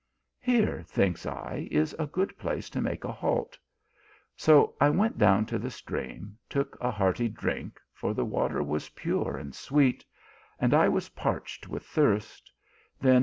Here, thinks I, is a good place to make a halt. So I went down to the stream, took a hearty drink, for the water was pure and sweet, and I was parched with thirst, then GOVERNOR MANCO AND SOLDIER.